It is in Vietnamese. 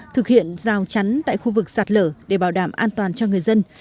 thực hiện rào chắn tại khu vực sạt lở để bảo đảm an toàn cho người dân